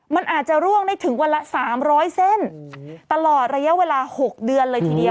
มันอาจจะร่วงได้ถึงวันละ๓๐๐เส้นตลอดระยะเวลา๖เดือนเลยทีเดียว